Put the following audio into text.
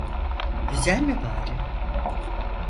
Güzel mi bari?